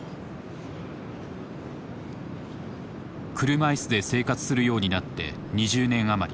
車いすで生活するようになって２０年余り。